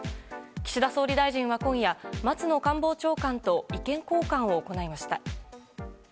岸田総理大臣は今夜松野官房長官と意見交換を行いました。